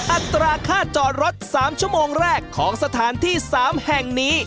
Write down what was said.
อัตราค่าจอดรถ๓ชั่วโมงแรกของสถานที่๓แห่งนี้